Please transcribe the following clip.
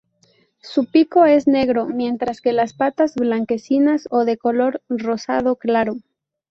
Su pico es negro, mientras que las patas blanquecinas o de color rosado claro.